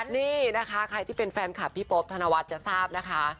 นี่นะคะใครที่เป็นแฟนคลับพี่โป๊บธนวัฒน์จะทราบนะคะ